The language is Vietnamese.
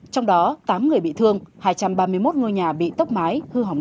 trong đó tám người bị thương hai trăm ba mươi một ngôi nhà bị tốc mái